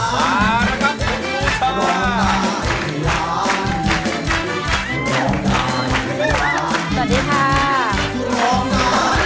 มานะครับสวัสดีค่ะ